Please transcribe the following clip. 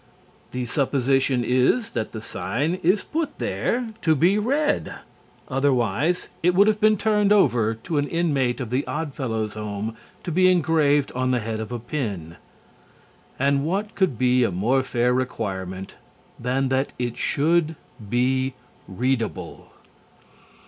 The supposition is that the sign is put there to be read, otherwise it would have been turned over to an inmate of the Odd Fellows Home to be engraved on the head of a pin. And what could be a more fair requirement than that it should be readable?